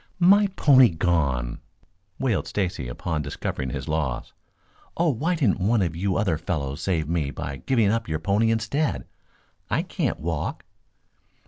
"My pony gone!" wailed Stacy, upon discovering his loss. "Oh, why didn't one of you other fellows save me by giving up your pony instead? I can't walk."